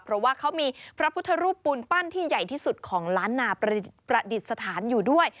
เพราะว่าเขามีพระพุทธรูปปูนปั้นที่ใหญ่ที่สุดของล้านนาประดิษฐานอยู่ด้วย